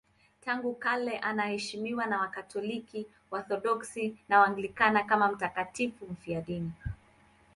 Tangu kale anaheshimiwa na Wakatoliki, Waorthodoksi na Waanglikana kama mtakatifu mfiadini.